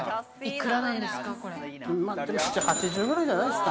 幾らなんですか？